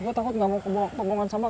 gue takut gak mau ke pembuangan sampah